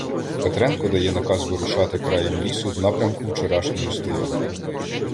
Петренко дає наказ вирушати краєм лісу в напрямку вчорашньої стоянки.